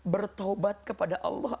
bertobat kepada allah